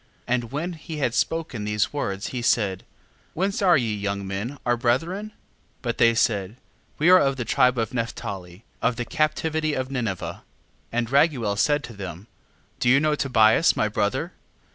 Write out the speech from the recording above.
7:3. And when he had spoken these words, he said: Whence are ye young men our brethren? 7:4. But they said: We are of the tribe of Nephtali, of the captivity of Ninive. 7:5. And Raguel said to them: Do you know Tobias my brother?